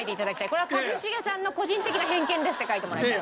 「これは一茂さんの個人的な偏見です」って書いてもらいたい。